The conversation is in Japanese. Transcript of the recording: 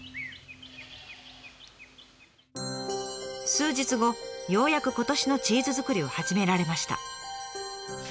数日後ようやく今年のチーズ作りを始められました。